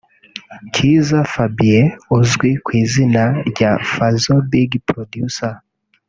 Cyiza Fabien uzwi ku izina rya Fazzo Big Producer